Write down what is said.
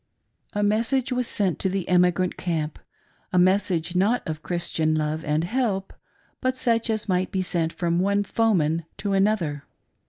A message was sent to the emigrant camp — a message not of Christian love and help, but such as might be sent from one ioeman to another.